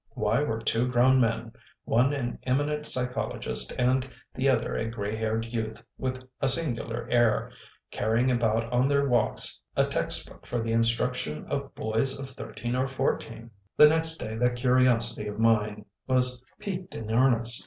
Why were two grown men one an eminent psychologist and the other a gray haired youth with a singular air carrying about on their walks a text book for the instruction of boys of thirteen or fourteen? The next day that curiosity of mine was piqued in earnest.